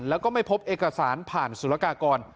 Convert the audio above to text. แล้วก็ไม่พบเอกสารผ่านสุรกากร